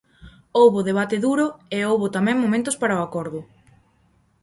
Houbo debate duro e houbo tamén momentos para o acordo.